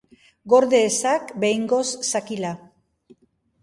Gorde ezak behingoz zakila